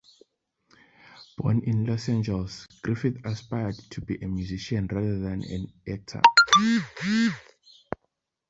Born in Los Angeles, Griffith aspired to be a musician rather than an actor.